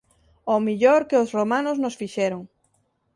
O mellor que os romanos nos fixeron.